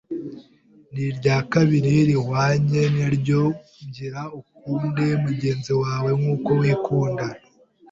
N’irya kabiri rihwanye na ryo ngiri ‘ukunde mugenzi wawe nk’uko wikunda.